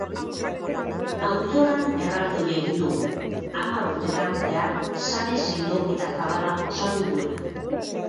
Auzolan erraldoia egin dugu, hamar urtetan zehar sare sendo eta zabala osatu duena.